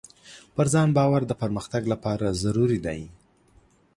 پر ځان باور د پرمختګ لپاره ضروري دی.